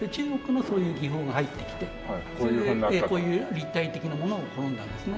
で中国のそういう技法が入ってきてそれでこういう立体的なものを好んだんですね。